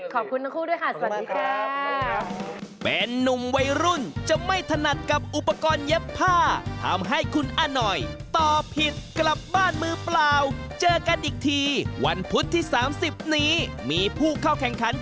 ขอบคุณทั้งคู่ด้วยค่ะสวัสดีค่ะ